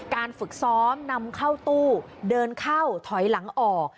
การฝึกซ้อมนำเข้าตู้เดินเข้าถอยหลังออก